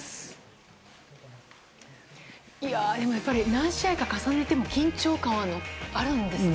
何試合か重ねても緊張感はあるんですね。